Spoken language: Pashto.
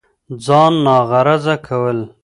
ځان ناغرضه كول